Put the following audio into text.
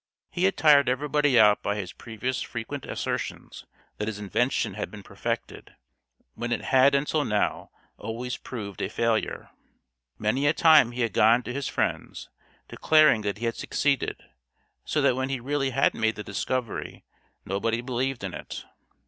He had tired everybody out by his previous frequent assertions that his invention had been perfected, when it had until now always proved a failure. Many a time he had gone to his friends, declaring that he had succeeded, so that when he really had made the discovery nobody believed in it.